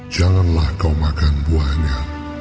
janganlah kau makan buahnya